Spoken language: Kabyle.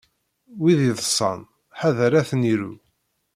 Win iḍṣan, ḥadeṛ ad ten-iru.